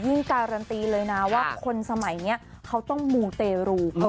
การันตีเลยนะว่าคนสมัยนี้เขาต้องมูเตรู